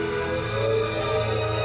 baik anda harus mencari